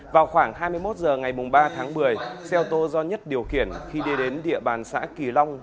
vào khoảng hai mươi một h ngày ba tháng một mươi xe ô tô do nhất điều khiển khi đi đến địa bàn xã kỳ long